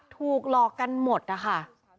ถูกหลอกกันหมดนะคะ